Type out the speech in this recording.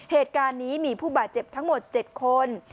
เหตุการณ์นี้มีผู้บาดเจ็บทั้งหมด๗คน